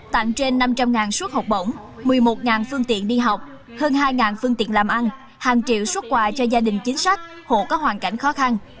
tặng trên năm trăm linh suất học bổng một mươi một phương tiện đi học hơn hai phương tiện làm ăn hàng triệu xuất quà cho gia đình chính sách hộ có hoàn cảnh khó khăn